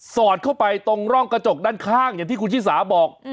อดเข้าไปตรงร่องกระจกด้านข้างอย่างที่คุณชิสาบอก